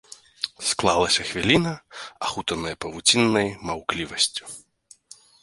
Склалася хвіліна, ахутаная павуціннай маўклівасцю.